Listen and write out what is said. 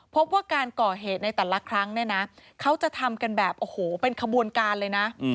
พบว่าการก่อเหตุในแต่ละครั้งเนี่ยนะเขาจะทำกันแบบโอ้โหเป็นขบวนการเลยนะ